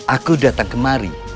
aku datang kemari